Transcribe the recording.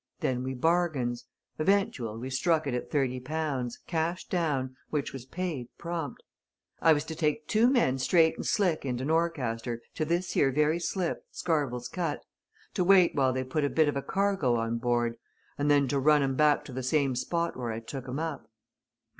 Then we bargains. Eventual, we struck it at thirty pounds cash down, which was paid, prompt. I was to take two men straight and slick into Norcaster, to this here very slip, Scarvell's Cut, to wait while they put a bit of a cargo on board, and then to run 'em back to the same spot where I took 'em up.